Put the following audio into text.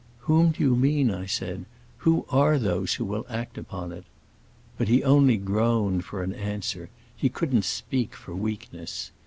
'Whom do you mean?' I said. 'Who are those who will act upon it?' But he only groaned, for an answer; he couldn't speak, for weakness.